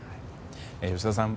吉田さん